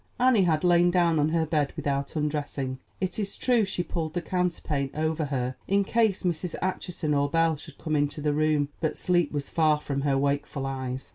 Annie had lain down on her bed without undressing. It is true she pulled the counterpane over her in case Mrs. Acheson or Belle should come into the room; but sleep was far from her wakeful eyes.